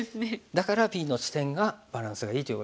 だからＢの地点がバランスがいいということですね。